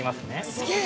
すげえ！